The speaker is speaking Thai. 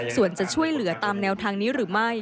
ส่วนจะช่วยเหลือตามแนวทางนี้หรือไม่